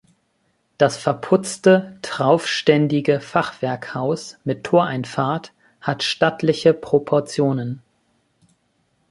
Das verputzte traufständige Fachwerkhaus mit Toreinfahrt hat stattliche Proportionen.